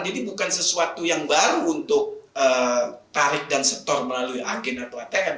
jadi bukan sesuatu yang baru untuk tarik dan setor melalui agen atau atm